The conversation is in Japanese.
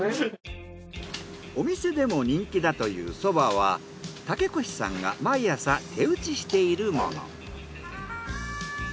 お店でも人気だというそばは竹腰さんが毎朝手打ちしているもの。